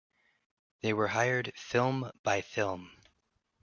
They were hired film by film.